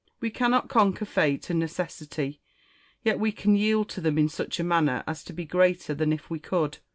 We cannot conquer fate and necessity, yet we can yield to them in such a manner as to be greater than if we could.